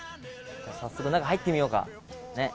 早速中、入ってみようか。